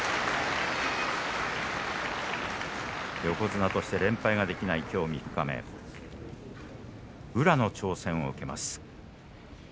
横綱として連敗ができないきょう三日目宇良の挑戦を受けます。